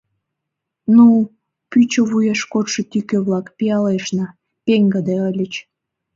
Ну, «пӱчӧ» вуеш кодшо тӱкӧ-влак, пиалешна, пеҥгыде ыльыч.